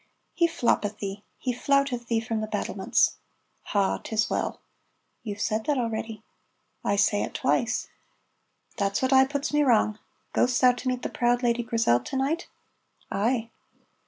"He floppeth thee he flouteth thee from the battlements." "Ha, 'tis well!" ("You've said that already.") ("I say it twice.") ("That's what aye puts me wrang.) Ghost thou to meet the proud Lady Grizel to night?" "Ay."